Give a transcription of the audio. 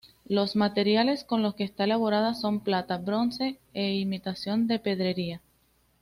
Los materiales con los que está elaborada son plata, bronce e imitación de pedrería.